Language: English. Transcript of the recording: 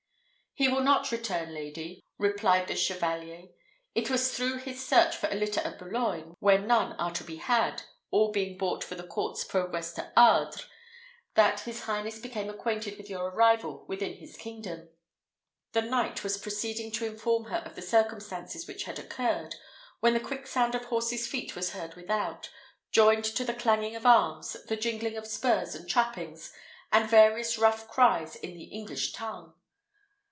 "He will not return, lady," replied the chevalier. "It was through his search for a litter at Boulogne, where none are to be had, all being bought for the court's progress to Ardres, that his highness became acquainted with your arrival within his kingdom." The knight was proceeding to inform her of the circumstances which had occurred, when the quick sound of horses' feet was heard without, joined to the clanging of arms, the jingling of spurs and trappings, and various rough cries in the English tongue.